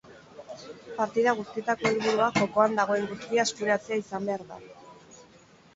Partida guztietako helburua jokoan dagoen guztia eskuratzea izan behar da.